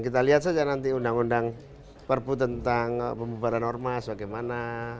kita lihat saja nanti undang undang perpu tentang pembubaran ormas bagaimana